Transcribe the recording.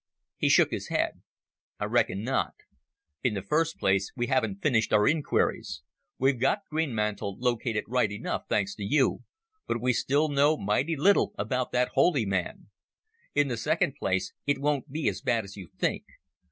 He shook his head. "I reckon not. In the first place we haven't finished our inquiries. We've got Greenmantle located right enough, thanks to you, but we still know mighty little about that holy man. In the second place it won't be as bad as you think.